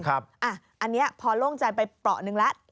อันนี้พอโล่งใจไปเปราะหนึ่งแล้ว